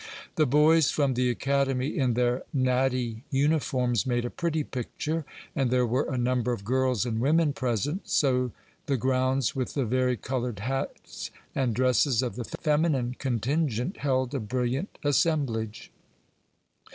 The boys from the academy, in their natty uniforms, made a pretty picture, and there were a number of girls and women present, so the grounds, with the vari colored hats and dresses of the feminine contingent, held a brilliant assemblage.